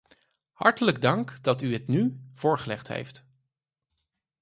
Hartelijk dank dat u het nu voorgelegd heeft.